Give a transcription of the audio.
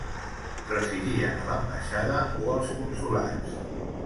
Residien a l'ambaixada o als consolats.